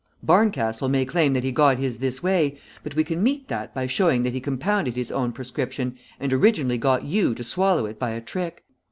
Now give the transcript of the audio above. Barncastle may claim that he got his this way, but we can meet that by showing that he compounded his own prescription, and originally got you to swallow it by a trick.